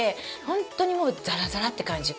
ホントにもうザラザラって感じ。